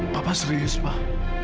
papa serius pak